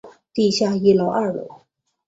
地下一楼二楼